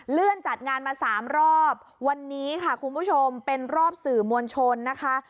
เลื่อนจัดงานมาสามรอบวันนี้ค่ะคุณผู้ชมเป็นรอบสื่อมวลชนนะคะ